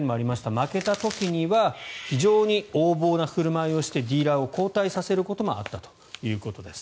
負けた時には非常に横暴な振る舞いをしてディーラーを交代させることもあったということです。